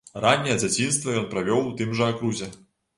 Ранняе дзяцінства ён правёў у тым жа акрузе.